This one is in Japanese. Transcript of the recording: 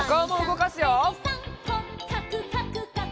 「こっかくかくかく」